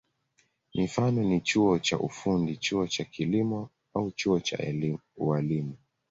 Mifano ni chuo cha ufundi, chuo cha kilimo au chuo cha ualimu.